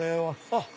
あっ！